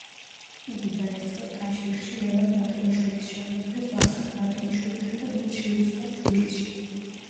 იგი დაესწრო ტაშირში ლევან ბატონიშვილის შეხვედრას ვახტანგ ბატონიშვილთან და მათ შემოსვლას თბილისში.